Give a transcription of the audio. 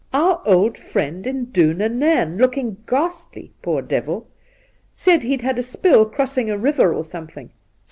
Our old friend Induna Nairn, looking xghastly, poor devil! Said he'd had a spill crossing a river or something.